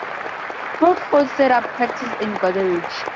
Proudfoot set up practice in Goderich.